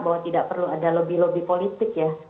bahwa tidak perlu ada lobby lobby politik ya